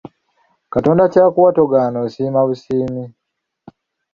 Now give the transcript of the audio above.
Katonda ky’akuwa togaana osiima busiimi.